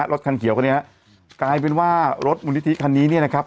รถคันเขียวคันนี้ฮะกลายเป็นว่ารถมูลนิธิคันนี้เนี่ยนะครับ